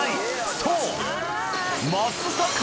そう！